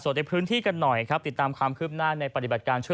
ส่วนในพื้นที่กันหน่อยครับติดตามความคืบหน้าในปฏิบัติการช่วย